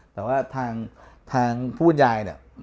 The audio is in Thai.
แต่ว่าทางผู้บรรยายเนี่ย